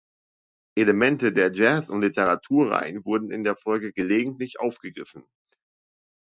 Elemente der Jazz-und-Literatur-Reihen wurden in der Folge gelegentlich aufgegriffen.